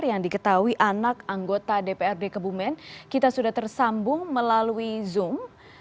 yang diketahui anak anggota dprd kebumen kita sudah tersambung melalui zoom